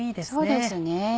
そうですね。